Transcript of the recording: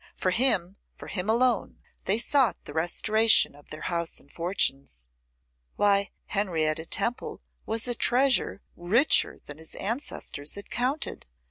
For him, for him alone, they sought the restoration of their house and fortunes. Why, Henrietta Temple was a treasure richer than any his ancestors had counted.